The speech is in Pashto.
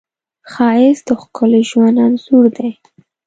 ښایست د ښکلي ژوند انځور دی